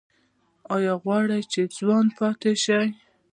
ایا غواړئ چې ځوان پاتې شئ؟